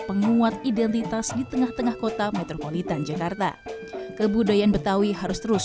penguat identitas di tengah tengah kota metropolitan jakarta kebudayaan betawi harus terus